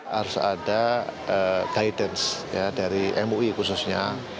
harus ada guidance dari mui khususnya